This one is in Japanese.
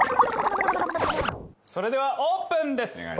それではオープンです。